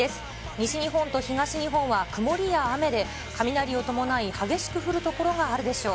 西日本と東日本は曇りや雨で、雷を伴い、激しく降る所があるでしょう。